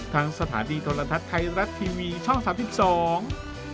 ทางสถาดีโทรทัศน์ไทยรัฐทีวีช่อง๓๒